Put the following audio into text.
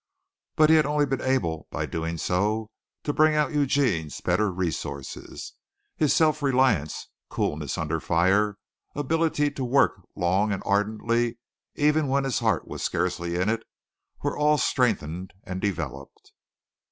But he had only been able, by so doing, to bring out Eugene's better resources. His self reliance, coolness under fire, ability to work long and ardently even when his heart was scarcely in it, were all strengthened and developed.